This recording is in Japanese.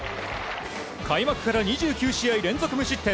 開幕から２９試合連続無失点。